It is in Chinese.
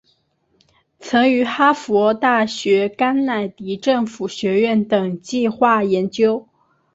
曾于哈佛大学甘乃迪政府学院等计画研究。